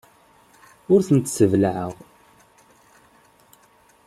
Ur tent-sseblaɛeɣ.